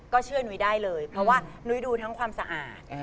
เชื่อนุ้ยได้เลยเพราะว่านุ้ยดูทั้งความสะอาด